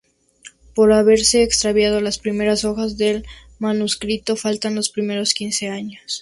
Por haberse extraviado las primeras hojas del manuscrito, faltan los primeros quince años.